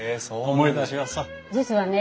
実はね